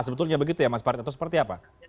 sebetulnya begitu ya mas parit atau seperti apa